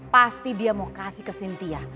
pasti dia mau kasih ke cynthia